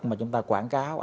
mà chúng ta quảng cáo